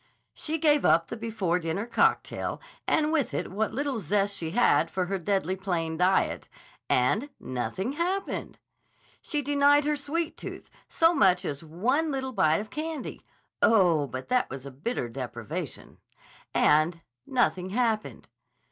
She gave up the before dinner cocktail and with it what little zest she had for her deadly plain diet—and nothing happened. She denied her sweet tooth so much as one little bite of candy—oh, but that was a bitter deprivation—and nothing happened.